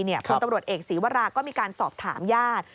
ผลตำรวจเอกศีวราก็มีการสอบถามญาติ